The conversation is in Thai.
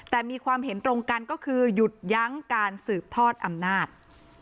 แต่มีความเห็นตรงกันก็คือหยุดยั้งการสืบทอดอำนาจ